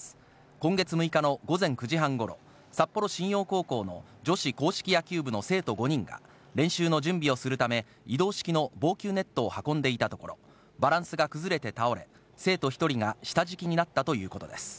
今月６日の午前９時半ごろ、札幌新陽高校の女子硬式野球部の生徒５人が、練習の準備をするため、移動式の防球ネットを運んでいたところ、バランスが崩れて倒れ、生徒１人が下敷きになったということです。